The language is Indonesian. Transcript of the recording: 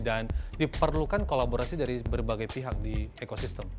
dan diperlukan kolaborasi dari berbagai pihak di ekosistem